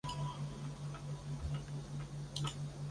后累升至礼科都给事中。